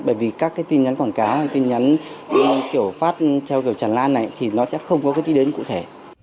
theo kiểu tràn lan này thì nó sẽ không có cái tin đến cụ thể